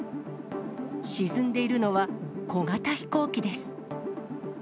沈んでいるのは小型飛行機です。